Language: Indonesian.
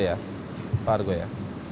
ya pak argo ya